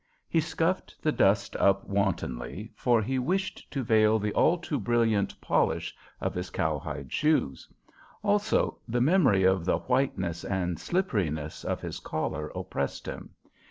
He scuffed the dust up wantonly, for he wished to veil the all too brilliant polish of his cowhide shoes. Also the memory of the whiteness and slipperiness of his collar oppressed him.